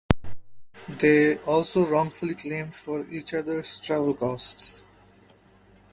They also wrongfully claimed for each other's travel costs.